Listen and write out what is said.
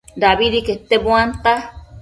dabidi quete buanta